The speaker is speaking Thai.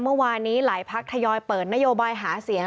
เมื่อวานนี้หลายพักทยอยเปิดนโยบายหาเสียง